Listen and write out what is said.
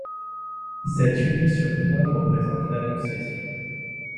Cette huile sur toile représente l'Annonciation.